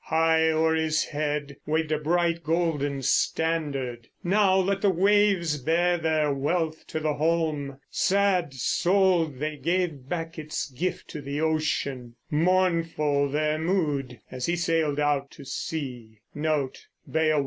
High o'er his head waved a bright golden standard Now let the waves bear their wealth to the holm. Sad souled they gave back its gift to the ocean, Mournful their mood as he sailed out to sea.